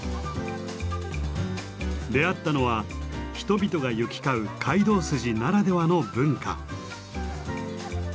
出会ったのは人々が行き交う街道筋ならではの文化。